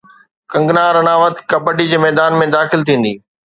ڪنگنا رناوت ڪبڊي جي ميدان ۾ داخل ٿيندي